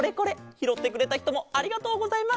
ひろってくれたひともありがとうございます。